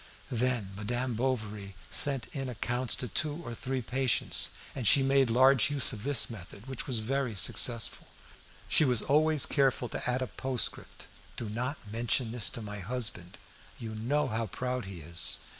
Then Madame Bovary sent in accounts to two or three patients, and she made large use of this method, which was very successful. She was always careful to add a postscript: "Do not mention this to my husband; you know how proud he is.